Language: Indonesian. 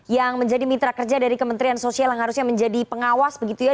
yang menjadi mitra kerja dari kementerian sosial yang harusnya menjadi pengawas begitu ya